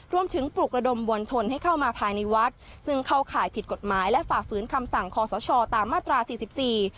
ปลุกระดมมวลชนให้เข้ามาภายในวัดซึ่งเข้าข่ายผิดกฎหมายและฝ่าฝืนคำสั่งคอสชตามมาตราสี่สิบสี่